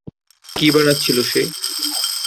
কী বানাচ্ছিল সে?